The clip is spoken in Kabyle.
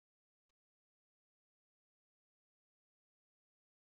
Neḥčun yemma-twent a tiklucin.